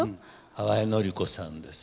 淡谷のり子さんです。